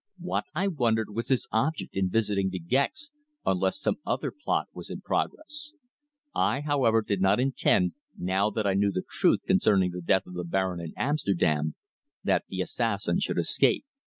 What, I wondered, was his object in visiting De Gex unless some other plot was in progress? I, however, did not intend, now that I knew the truth concerning the death of the Baron in Amsterdam, that the assassin should escape.